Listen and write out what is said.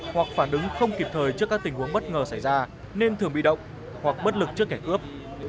hoặc phản ứng không kịp thời trước các tình huống bất ngờ xảy ra nên thường bị động hoặc bất lực trước kẻ cướp